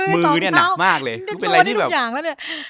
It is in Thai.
มือเนี่ยหนักมากเลยมือเป็นอะไรที่แบบ